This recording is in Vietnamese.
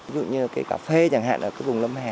ví dụ như cây cà phê chẳng hạn ở cái vùng lâm hà